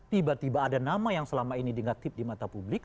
tiba tiba ada nama yang selama ini di ngaktif di mata publik